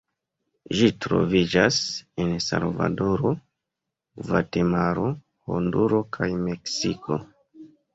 Ĝi troviĝas en Salvadoro, Gvatemalo, Honduro kaj Meksiko.